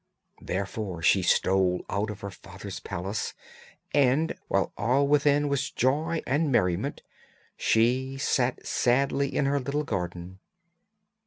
Therefore she stole out of her father's palace, and while all within was joy and merriment, she sat sadly in her little garden.